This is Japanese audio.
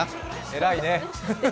えらいね。